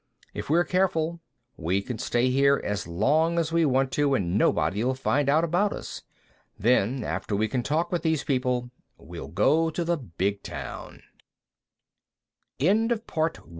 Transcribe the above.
If we're careful, we can stay here as long as we want to and nobody'll find out about us. Then, after we can talk with these people, we'll go to the big town." The big town was two hundred